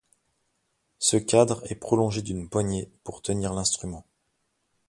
Ce cadre est prolongé d'une poignée pour tenir l'instrument.